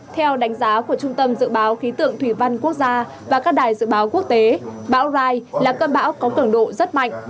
theo đánh giá của trung tâm dự báo khí tượng thủy văn quốc gia và các đài dự báo quốc tế bão rai là cơn bão có cường độ rất mạnh